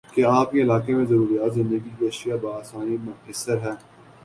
کیا آپ کے علاقے میں ضروریاتِ زندگی کی اشیاء باآسانی میسر ہیں؟